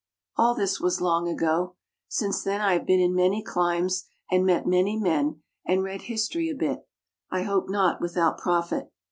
All this was long ago. Since then I have been in many climes, and met many men, and read history a bit I hope not without profit.